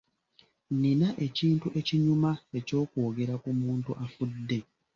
Nina ekintu ekinyuma eky'okwogera ku muntu afudde.